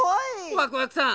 ワクワクさん